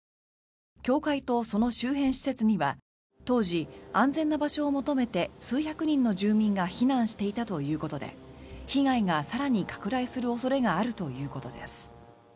教会とその周辺施設には当時、安全な場所を求めて数百人の住民が避難していたということで被害が更に拡大する恐れがあるということです。